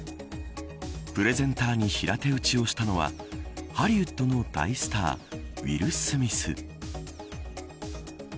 プレゼンターに平手打ちをしたのはハリウッドの大スターウィル・スミス。